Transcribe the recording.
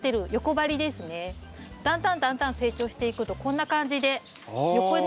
だんだんだんだん成長していくとこんな感じで横に。